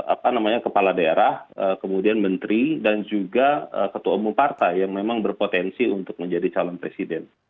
apa namanya kepala daerah kemudian menteri dan juga ketua umum partai yang memang berpotensi untuk menjadi calon presiden